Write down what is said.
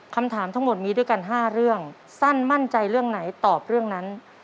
คำถามทั้งหมดมีด้วยกัน๕เรื่องสั้นมั่นใจเรื่องไหนตอบเรื่องนั้น